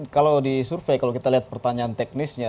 kalau disurvey kalau kita lihat pertanyaan teknisnya